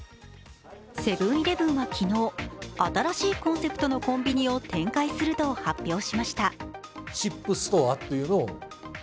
セブン−イレブンは昨日、新しいコンセプトのコンビニを展開すると発表しました。